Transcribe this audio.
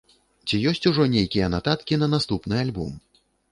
Ці ёсць ужо нейкія нататкі на наступны альбом?